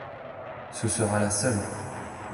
Ce sera la seule.